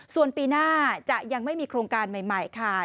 ส่วนปีหน้าจะยังไม่มีโครงการใหม่ค่ะ